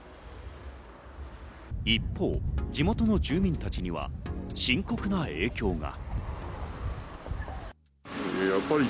一方、地元の住民たちには深刻な影響が。